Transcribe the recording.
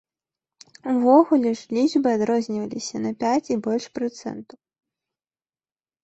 Увогуле ж лічбы адрозніваліся на пяць і больш працэнтаў.